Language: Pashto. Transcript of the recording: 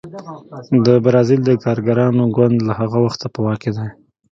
د بزازیل د کارګرانو ګوند له هغه وخته په واک کې دی.